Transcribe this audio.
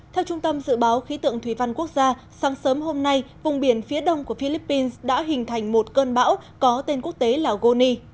theo trung tâm dự báo khí tượng thủy văn quốc gia sáng sớm hôm nay vùng biển phía đông của philippines đã hình thành một cơn bão có tên quốc tế là goni